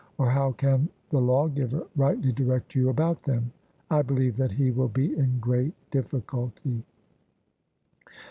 or how can the lawgiver rightly direct you about them? I believe that he will be in great difficulty.